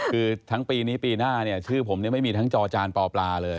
คือทั้งปีนี้ปีหน้าเนี่ยชื่อผมไม่มีทั้งจอจานปอปลาเลย